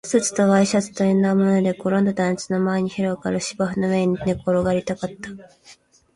スーツとワイシャツとインナーも脱いで、ごろんと団地の前に広がる芝生の上に寝転がりたかった